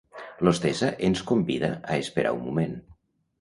L'hostessa ens convida a esperar un moment.